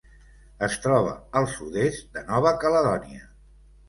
Es troba al sud-est de Nova Caledònia.